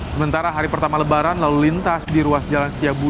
sementara hari pertama lebaran lalu lintas di ruas jalan setiabudi